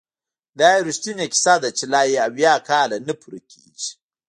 دا یو رښتینې کیسه ده چې لا یې اویا کاله نه پوره کیږي!